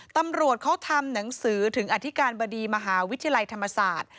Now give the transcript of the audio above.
ตำรวจเขาทำหนังสือถึงอธิการบดีมหาวิทยาลัยธรรมศาสตร์